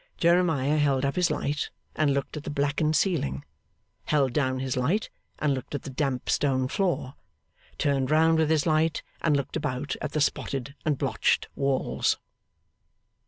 Jeremiah held up his light and looked at the blackened ceiling, held down his light and looked at the damp stone floor, turned round with his light and looked about at the spotted and blotched walls.